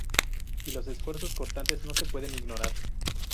Y los esfuerzos cortantes no se pueden ignorar.